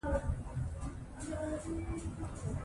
خو اودس مې وکړو ـ